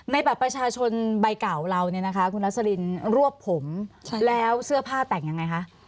ในบัตรประชาชนใบเก่าเราคุณลักษณ์สลินรวบผมแล้วเสื้อผ้าแต่งอย่างไรคะ